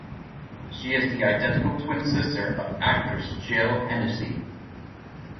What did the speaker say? She is the identical twin sister of actress Jill Hennessy.